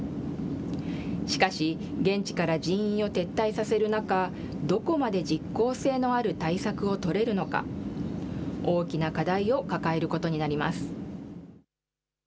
しかし、現地から人員を撤退させる中、どこまで実効性のある対策を取れるのか、大きな課題を抱えることになります。